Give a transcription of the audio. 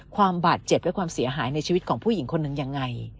ความบาดเจ็บและความเสียหายในชีวิตของผู้หญิงคนหนึ่งยังไง